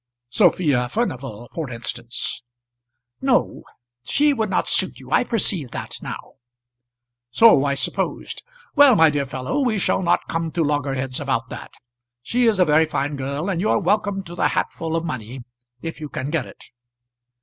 "Sophia Furnival, for instance." "No; she would not suit you. I perceive that now." "So I supposed. Well, my dear fellow, we shall not come to loggerheads about that. She is a very fine girl, and you are welcome to the hatful of money if you can get it."